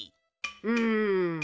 うん。